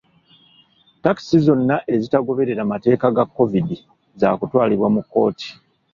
Takisi zonna ezitagoberera mateeka ga COVID zakutwalibwa mu kkooti.